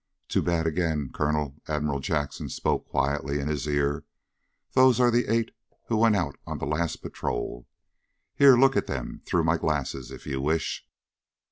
"Too bad again, Colonel," Admiral Jackson spoke quietly in his ear. "Those are the eight who went out on the last patrol. Here, look at them through my glasses, if you wish."